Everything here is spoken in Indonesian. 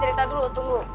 gua angkat telpon dulu ya